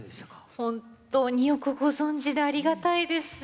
本当によくご存じでありがたいです。